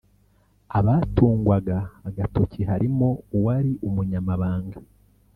Abatungwaga agatoki harimo uwari Umunyamabanga